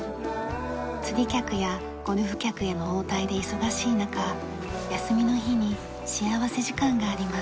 釣り客やゴルフ客への応対で忙しい中休みの日に幸福時間があります。